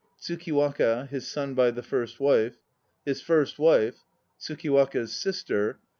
TSVK1WAKA (his son by the first wife). HIS FIRST WIFE. TSUKIWAKA'S SISTER.